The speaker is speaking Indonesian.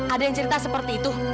ada yang cerita seperti itu